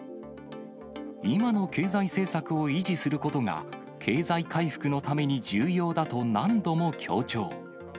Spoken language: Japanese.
今の経済政策を維持することが、経済回復のために重要だと何度も強調。